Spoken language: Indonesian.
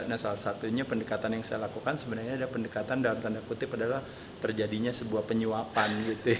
nah salah satunya pendekatan yang saya lakukan sebenarnya adalah pendekatan dalam tanda kutip adalah terjadinya sebuah penyuapan